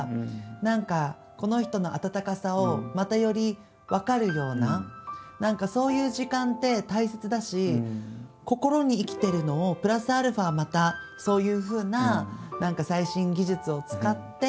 何かこの人の温かさをまたより分かるような何かそういう時間って大切だし心に生きてるのをプラスアルファまたそういうふうな何か最新技術を使って。